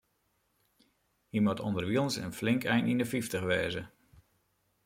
Hy moat ûnderwilens in flink ein yn de fyftich wêze.